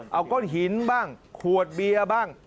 เอาก้อนหินบ้างขวดเบียร์บ้าง